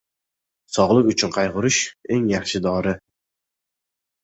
• Sog‘lik uchun qayg‘urish — eng yaxshi dori.